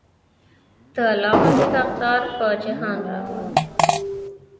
د الله غوندې داغدار پۀ جهان راغلم